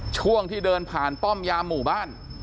ช่วงที่เดินผ่านป้อมยามหมู่บ้าน